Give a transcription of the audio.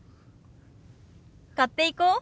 買っていこう。